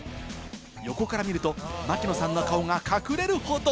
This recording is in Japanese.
横から見ると、槙野さんの顔が隠れるほど！